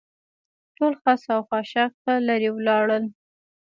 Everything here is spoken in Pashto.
ټول خس او خاشاک ښه لرې ولاړل.